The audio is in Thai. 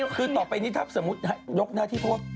คือต่อไปนี้นะครับอยุคหน้าที่พวก